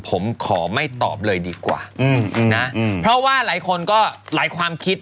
ผมขอไม่ตอบเลยดีกว่านะเพราะว่าหลายคนก็หลายความคิด